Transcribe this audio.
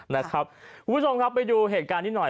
นะครับพี่ผู้ชมครับไปดูเหตุการณ์นี้หน่อย